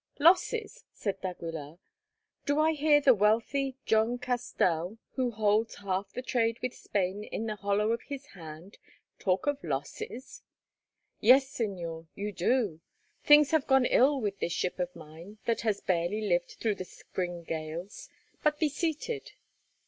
"Losses?" said d'Aguilar. "Do I hear the wealthy John Castell, who holds half the trade with Spain in the hollow of his hand, talk of losses?" "Yes, Señor, you do. Things have gone ill with this ship of mine that has barely lived through the spring gales. But be seated."